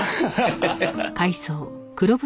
ハハハ！